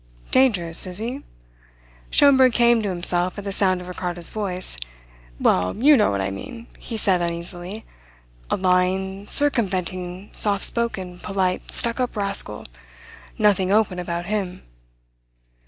"Dangerous, is he?" Schomberg came to himself at the sound of Ricardo's voice. "Well, you know what I mean," he said uneasily. "A lying, circumventing, soft spoken, polite, stuck up rascal. Nothing open about him."